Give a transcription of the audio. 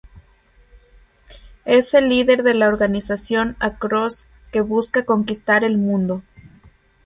Es el líder de la organización Across, que busca conquistar el mundo.